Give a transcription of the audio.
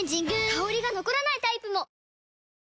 香りが残らないタイプも！